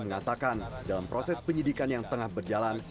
mengatakan dalam proses penyidikan yang tengah berjalan